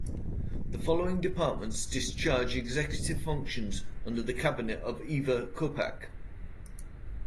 The following departments discharge executive functions under the Cabinet of Ewa Kopacz.